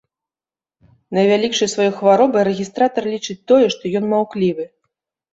Найвялікшай сваёй хваробай рэгістратар лічыць тое, што ён маўклівы.